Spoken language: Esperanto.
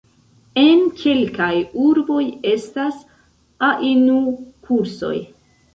En kelkaj urboj estas ainu-kursoj.